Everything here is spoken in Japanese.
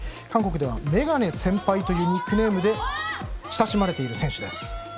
韓国ではメガネ先輩というニックネームで親しまれている選手です。